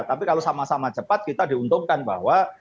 tapi kalau sama sama cepat kita diuntungkan bahwa